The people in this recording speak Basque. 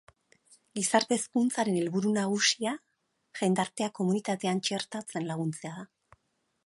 Gizarte hezkuntzaren helburua nagusia, jendartea komunitatean txertatzen laguntzea da.